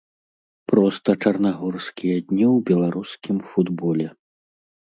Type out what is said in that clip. Проста чарнагорскія дні ў беларускім футболе.